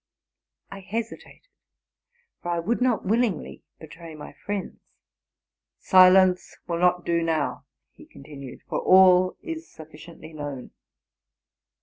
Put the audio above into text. '' I hesitated, for I would not willingly betray my friends. ' Silence will not do now,'' he continued, '' for all is suf ficiently known.